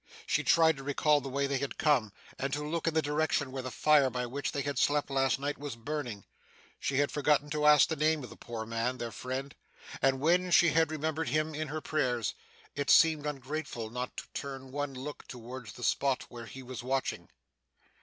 She tried to recall the way they had come, and to look in the direction where the fire by which they had slept last night was burning. She had forgotten to ask the name of the poor man, their friend, and when she had remembered him in her prayers, it seemed ungrateful not to turn one look towards the spot where he was watching.